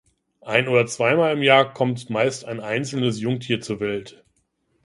Ein- oder zweimal im Jahr kommt meist ein einzelnes Jungtier zur Welt.